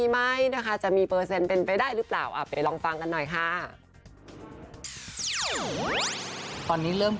ว่าจะมีได้ไหม